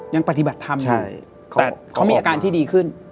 ยังปฏิบัติธรรมอยู่แต่เขามีอาการที่ดีขึ้น